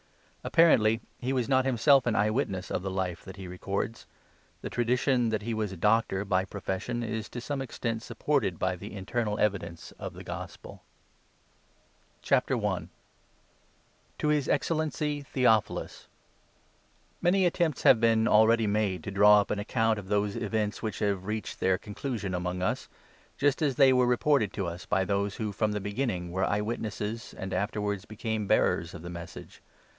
Apparently he was not himself an eye witness of the Life that he records. The tradition that he was a doctor by profession is to some extent supported by the internal evidence of this gospel. OTAT« TEACHER* COLUXC ' HANTA BARBARA. CALIFORNIA ACCORDING TO LUKE. DEDICATION. To Az> Excellency, Theophilus. Many attempts have been already made to draw up an account of those events which have reached their conclusion among us, just as they were reported to us by those who from the beginning were eye witnesses, and aftei wards became bearers of the Message.